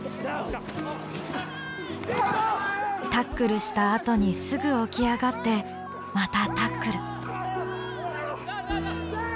タックルしたあとにすぐ起き上がってまたタックル。